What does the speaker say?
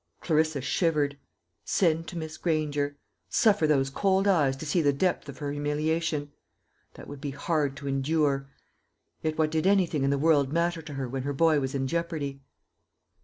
Clarissa shivered. Send to Miss Granger! suffer those cold eyes to see the depth of her humiliation! That would be hard to endure. Yet what did anything in the world matter to her when her boy was in jeopardy?